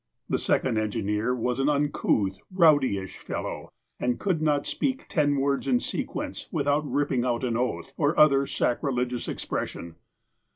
The second engineer was an un couth, rowdyish fellow, and could not speak ten words in sequence without ripping out an oath, or other sacri legious expression.